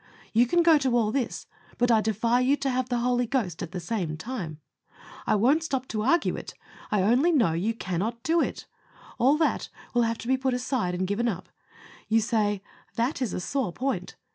You can go to all this, but I defy you to have the Holy Ghost at the same time. I won't stop to argue it; I ONLY KNOW YOU CANNOT DO IT. All that will have to be put aside and given up. You say, "That is a sore point."